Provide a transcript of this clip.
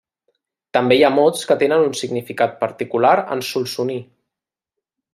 També hi ha mots que tenen un significat particular en solsoní.